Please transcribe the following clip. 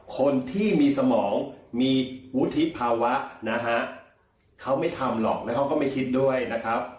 คนที่มีสมองมีวุฒิภาวะนะฮะเขาไม่ทำหรอกแล้วเขาก็ไม่คิดด้วยนะครับ